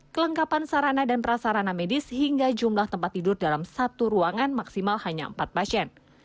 kelengkapan sarana dan prasarana medis hingga jumlah tempat tidur dalam satu ruangan maksimal hanya empat pasien